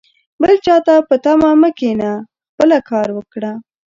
بل چاته په تمه مه کښېنه ، خپله کار وکړه